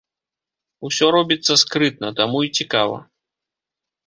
Усё робіцца скрытна, таму і цікава.